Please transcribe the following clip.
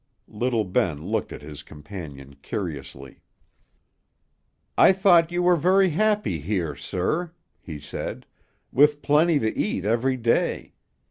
Little Ben looked at his companion curiously. "I thought you were very happy here, sir," he said, "with plenty to eat every day.